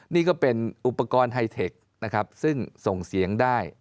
นี่ก็เป็นอุปกรณ์ไฮเทคนะครับซึ่งส่งเสียงได้